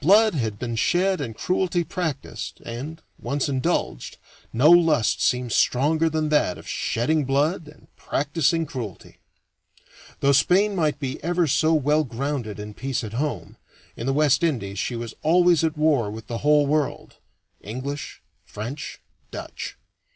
Blood had been shed and cruelty practiced, and, once indulged, no lust seems stronger than that of shedding blood and practicing cruelty. Though Spain might be ever so well grounded in peace at home, in the West Indies she was always at war with the whole world English, French, Dutch.